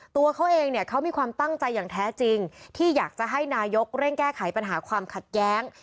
ตัวเขาเองเนี่ยเขามีความตั้งใจอย่างแท้จริงที่อยากจะให้นายกเร่งแก้ไขปัญหาความขัดแย้ง